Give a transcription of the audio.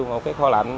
một cái kho lạnh